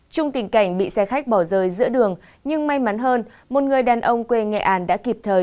trong tình cảnh bị xe khách bỏ rơi giữa đường nhưng may mắn hơn một người đàn ông quê nghệ an đã kịp thời